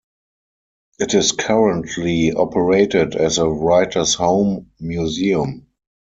It is currently operated as a writer's home museum.